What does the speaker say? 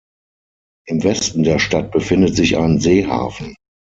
Im Westen der Stadt befindet sich ein Seehafen.